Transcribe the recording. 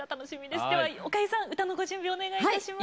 ではおかゆさん歌のご準備お願い致します。